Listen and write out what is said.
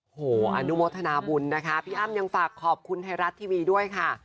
โอ้โหอนุโมทนาบุญนะคะพี่อ้ำยังฝากขอบคุณไทยรัฐทีวีด้วยค่ะ